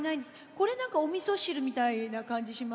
これなんかおみそ汁みたいな感じしますけどね。